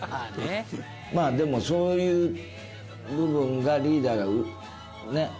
でもそういう部分がリーダーがねっ。